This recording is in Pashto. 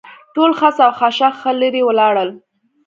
ټول خس او خاشاک ښه لرې ولاړل.